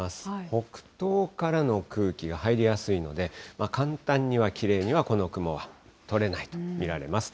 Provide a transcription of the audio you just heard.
北東からの空気が入りやすいので、簡単にはきれいにはこの雲は取れないと見られます。